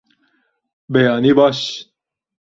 Beyanî baş!